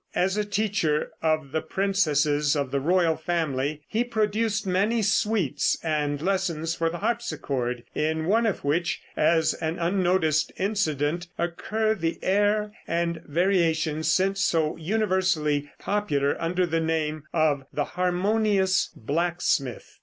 As a teacher of the princesses of the royal family, he produced many suites and lessons for the harpsichord, in one of which, as an unnoticed incident, occur the air and variations since so universally popular under the name of "The Harmonious Blacksmith."